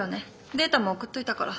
データも送っといたから。